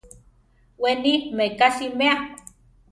Weni meká siméa.